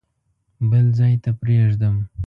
بل ځای ته پرېږدم.